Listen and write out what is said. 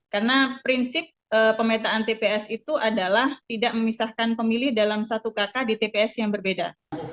karena prinsip pemetaan tps itu adalah tidak memisahkan pemilih dalam satu kakak di tps yang berbeda